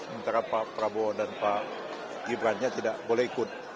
sementara pak prabowo dan pak gibran nya tidak boleh ikut